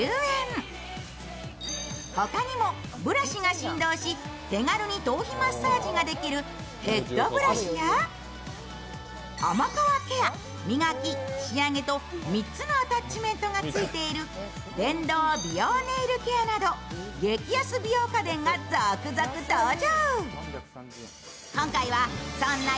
他にも、ブラシが振動し手軽に頭皮マッサージができるヘッドブラシや甘皮ケア、磨き、仕上げと３つのアタッチメントがついている電動美容ネイルケアなど激安美容家電が続々登場。